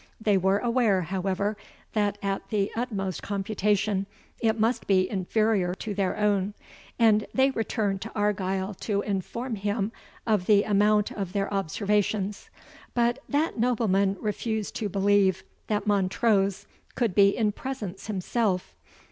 They were aware, however, that, at the utmost computation, it must be inferior to their own, and they returned to Argyle to inform him of the amount of their observations; but that nobleman refused to believe that Montrose could be in presence himself.